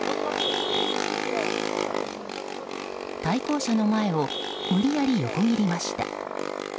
対向車の前を無理やり横切りました。